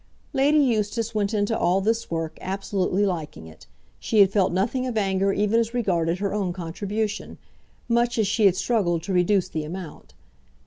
Lady Eustace went into all this work, absolutely liking it. She had felt nothing of anger even as regarded her own contribution, much as she had struggled to reduce the amount.